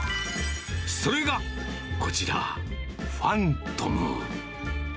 それが、こちら、ファントム。